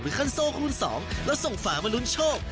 คันโซคูณสองแล้วส่งฝามาลุ้นโชค